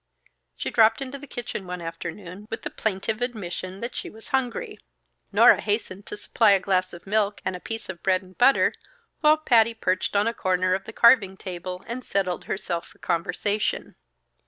She dropped into the kitchen one afternoon with the plaintive admission that she was hungry. Nora hastened to supply a glass of milk and a piece of bread and butter, while Patty perched on a corner of the carving table and settled herself for conversation.